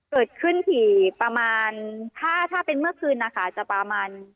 เกิดขึ้นถี่ประมาณถ้าเป็นเมื่อคืนนะคะจะประมาณ